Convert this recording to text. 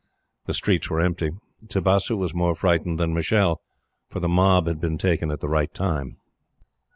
The streets were empty. Tibasu was more frightened than Michele, for the mob had been taken at the right time.